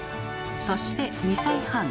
そして２歳半。